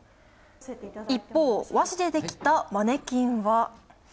一方、和紙でできたマネキンは。